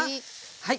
はい。